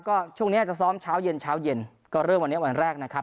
ก็ช่วงนี้จะซ้อมเช้าเย็นเช้าเย็นก็เริ่มวันนี้วันแรกนะครับ